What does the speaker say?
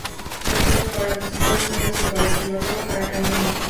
Records para los Estados Unidos y por el sello Riva para el Reino Unido.